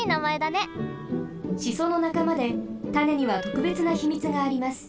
シソのなかまでたねにはとくべつなひみつがあります。